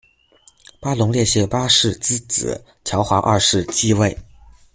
巴龙列谢八世之子乔华二世继位。